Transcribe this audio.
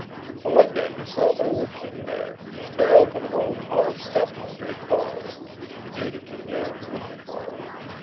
But one day he saw old King Bear tear open an old hollow stump with his great claws, and he knew that King Bear was looking for him.